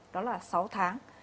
đó là sáu tháng